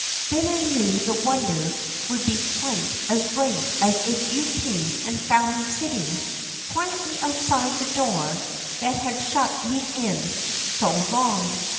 Then I knew the. wonder would be quite as great if you came and found me sitting quietly outside the door that has shut me in so long.